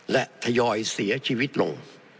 และทยอยเสียชีวิตลง